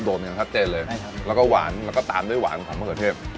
อย่างชัดเจนเลยใช่ครับแล้วก็หวานแล้วก็ตามด้วยหวานของมะเขือเทศ